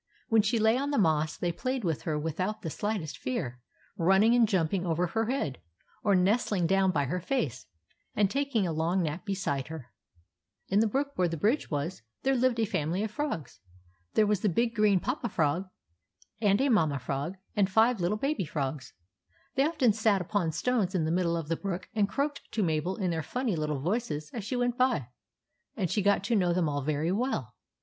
When she lay on the moss, they played about her without the slightest fear, running and jumping over her head, or nest ling down by her face and taking a long nap beside her. In the brook where the bridge was, there lived a family of frogs. There was the big green papa frog, and a mamma frog, and five little baby frogs. They often sat upon stones in the middle of the brook and croaked to Mabel in their funny little voices as she went by, and she got to know them all very well.